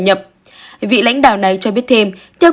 nhập vị lãnh đạo này cho biết thêm